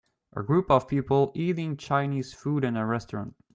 A group of people eating Chinese food in a restaurant.